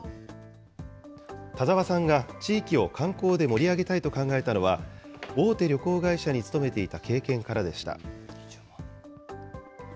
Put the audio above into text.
田澤さんが地域を観光で盛り上げたいと考えたのは、大手旅行会社に勤めていた経験からでした。